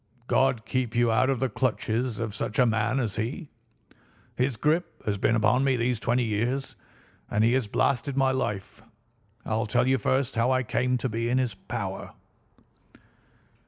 God keep you out of the clutches of such a man as he. His grip has been upon me these twenty years, and he has blasted my life. I'll tell you first how I came to be in his power.